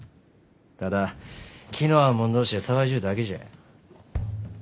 ただ気の合う者同士で騒いじゅうだけじゃ。